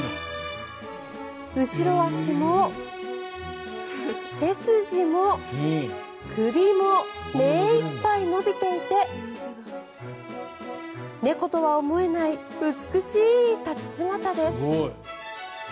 後ろ足も、背筋も、首もめいっぱい伸びていて猫とは思えない美しい立ち姿です。